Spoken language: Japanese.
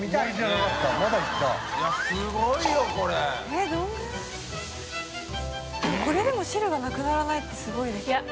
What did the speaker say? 任これでも汁がなくならないってすごいですね。